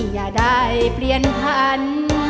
อย่าได้เปลี่ยนพันธุ์